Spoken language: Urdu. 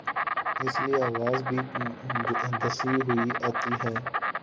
اس لئے آواز بھی گھسی ہوئی آتی ہے۔